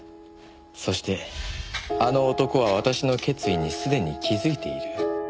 「そしてあの男は私の決意にすでに気づいている」